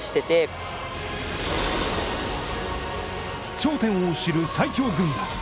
頂点を知る最強軍団。